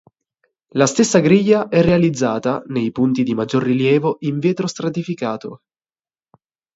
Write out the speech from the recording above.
La stessa griglia è realizzata, nei punti di maggior rilievo, in vetro stratificato.